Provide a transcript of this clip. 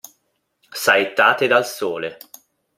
Saettate dal sole.